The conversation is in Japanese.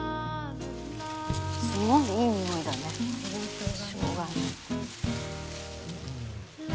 すごいいいにおいだねしょうがの。